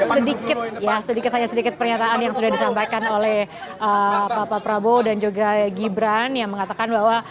sedikit ya sedikit saja sedikit pernyataan yang sudah disampaikan oleh bapak prabowo dan juga gibran yang mengatakan bahwa